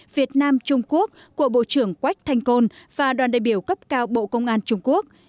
việt nam trung quốc của bộ trưởng quách thanh côn và đoàn đại biểu cấp cao bộ công an trung quốc